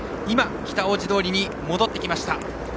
北大路通に戻ってきました。